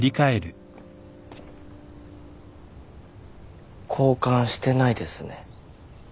交換してないですね。